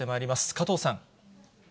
加藤さん。